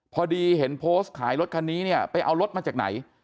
พอดีเห็นโพสต์ขายรถคันนี้เนี่ยไปเอารถมาจากไหน